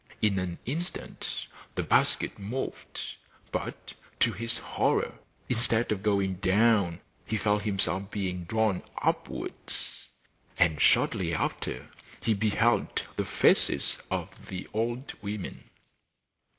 In an instant the basket moved, but, to his horror, instead of going down, he felt himself being drawn upwards, and shortly after he beheld the faces of the old women.